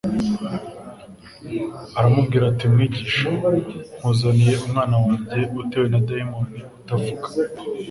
Aramubwira ati :« Mwigisha nkuzaniye umwana wanjye utewe na dayimoni utavuga,